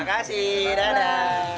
terima kasih dadah